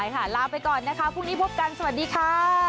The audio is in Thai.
ลาไปก่อนนะคะพรุ่งนี้พบกันสวัสดีค่ะ